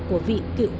của vị cựu pháp